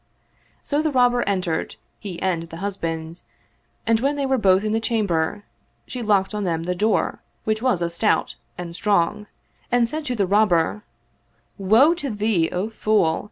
So the Robber entered, he and the husband; and when they were both in the chamber, she locked on them the door, which was a stout and strong, and said to the Robber, *'Woe to thee, O fool!